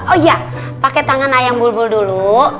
oh iya pakai tangan ayam bulbul dulu